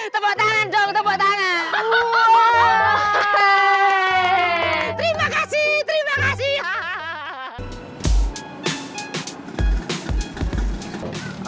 terima kasih terima kasih